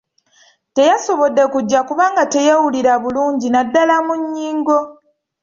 Teyasobodde kujja kubanga teyeewuira bulungi naddala mu nnyingo.